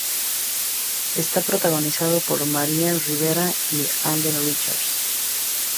Está protagonizada por Marian Rivera y Alden Richards.